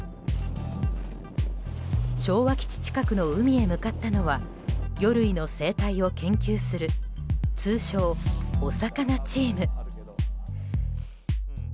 昭和基地近くの海へ向かったのは魚類の生態を研究する通称お魚チーム。